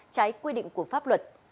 trái quy định của pháp luật